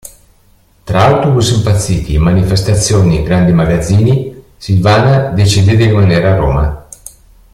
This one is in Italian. Tra autobus impazziti, manifestazioni, grandi magazzini, Silvana, decide di rimanere a Roma.